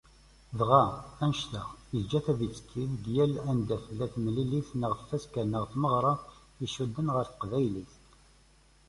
Dɣa, annect-a yeǧǧa-tt ad tekki deg yal anda tella temlilit neɣ tfaska neɣ tmeɣra i icudden ɣer Teqbaylit.